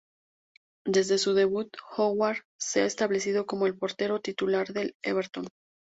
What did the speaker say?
Desde su debut, Howard se ha establecido como el portero titular del Everton.